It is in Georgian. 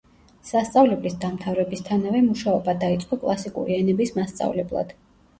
სასწავლებლის დამთავრებისთანავე მუშაობა დაიწყო კლასიკური ენების მასწავლებლად.